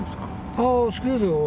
あ好きですよ。